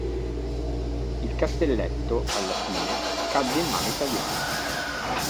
Il "Castelletto", alla fine, cadde in mano italiana.